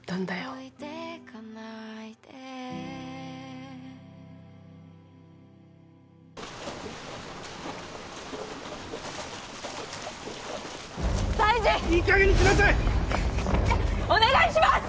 お願いします！